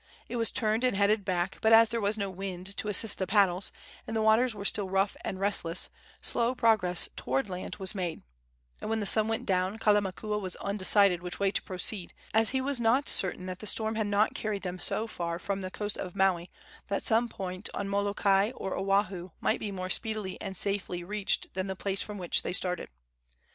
It was turned and headed back; but as there was no wind to assist the paddles, and the waters were still rough and restless, slow progress toward land was made; and when the sun went down Kalamakua was undecided which way to proceed, as he was not certain that the storm had not carried them so far from the coast of Maui that some point on Molokai or Oahu might be more speedily and safely reached than the place from which they started.